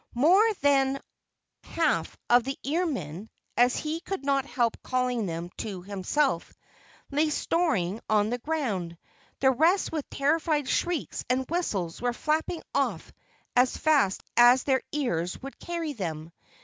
More than half of the ear men, as he could not help calling them to himself, lay snoring on the ground; the rest with terrified shrieks and whistles were flapping off as fast as their ears would carry them.